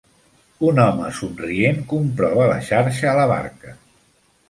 Un home somrient comprova la xarxa a la barca.